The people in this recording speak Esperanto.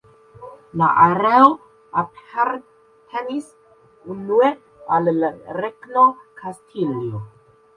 La areo apartenis unue al la Regno Kastilio.